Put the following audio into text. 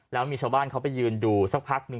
แล้วมีชาวบ้านเขาไปยืนดูสักพักหนึ่ง